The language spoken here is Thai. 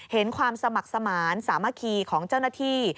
เห็นความสมัครสมานสามัคคีของเจ้าหน้าที่